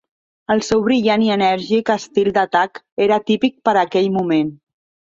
El seu brillant i enèrgic estil d'atac era típic per a aquell moment.